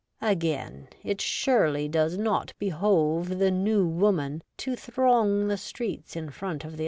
Again, it surely does not behove the New Woman to throng the streets in front of the 22 REVOLTED WOMAN.